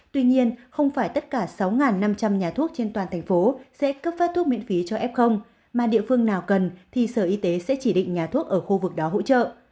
tuy nhiên không phải tất cả sáu năm trăm linh nhà thuốc trên toàn thành phố sẽ cấp phát thuốc miễn phí cho f mà địa phương nào cần thì sở y tế sẽ chỉ định nhà thuốc ở khu vực đó hỗ trợ